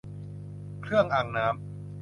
เครื่องอังน้ำ